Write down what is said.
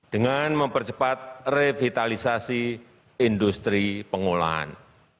dengan mempercepat revitalisasi industri pengolahan